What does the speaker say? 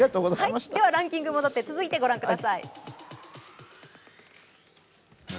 ランキング、続いて御覧ください。